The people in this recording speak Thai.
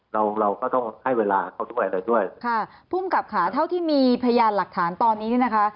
เราเราก็ต้องให้เวลาเขาด้วยอะไรด้วยค่ะภูมิกับค่ะเท่าที่มีพยานหลักฐานตอนนี้เนี่ยนะคะ